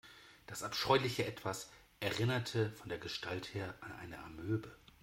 Das abscheuliche Etwas erinnerte von der Gestalt her an eine Amöbe.